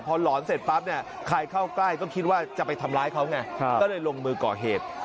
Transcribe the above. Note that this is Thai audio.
พอหลอนเสร็จปั๊บเนี่ยใครเข้าใกล้ก็คิดว่าจะไปทำร้ายเขาไงก็เลยลงมือก่อเหตุ